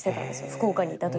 福岡にいたとき。